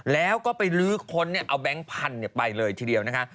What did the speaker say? แล้วก็ไปลื้อค้นเอาแบงค์พันธุ์ไปเลยทีเดียวนะคะ